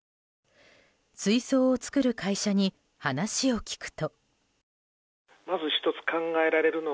水槽を作る会社に話を聞くと。